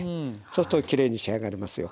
そうするときれいに仕上がりますよ。